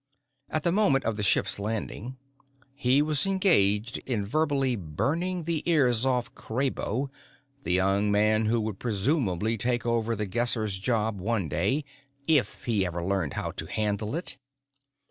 At the moment of the ship's landing, he was engaged in verbally burning the ears off Kraybo, the young man who would presumably take over The Guesser's job one day if he ever learned how to handle it.